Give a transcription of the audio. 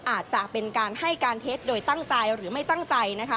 อาจจะเป็นการให้การเท็จโดยตั้งใจหรือไม่ตั้งใจนะคะ